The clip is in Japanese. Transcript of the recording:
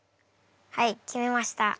はい決めました。